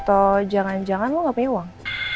atau jangan jangan lo gak punya uang